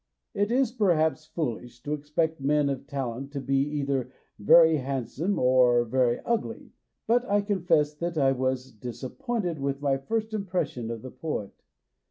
It is perhaps foolish to expect men of talent to be either very handsome or very ugly, but I confess that I was disappointed with my first impression of the poet.